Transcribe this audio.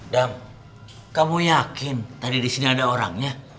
kamu yakin tadi di sini ada orangnya